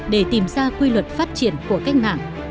để tìm ra quy luật phát triển của cách mạng